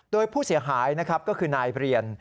โดยผู้เสียหายนะครับก็คือนายเรียน